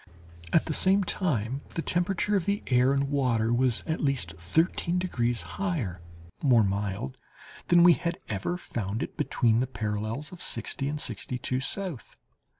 At the same time the temperature of the air and water was at least thirteen degrees higher (more mild) than we had ever found it between the parallels of sixty and sixty two south.